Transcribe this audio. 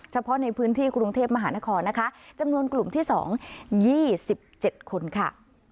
เฉพาะในพื้นที่กรุงเทพมหานครนะคะจำนวนกลุ่มที่๒๒๗คนค่ะ